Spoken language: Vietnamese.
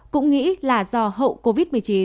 cũng nghĩ là do hậu covid một mươi chín